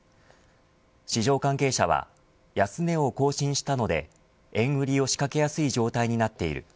市場関係者は安値を更新したので円売りを仕掛けやすい状態になっている。